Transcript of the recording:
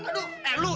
aduh apaan sih lu